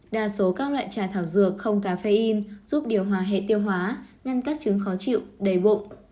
đa số các loại trà thảo dược không caffeine giúp điều hòa hệ tiêu hóa ngăn các chứng khó chịu đầy bụng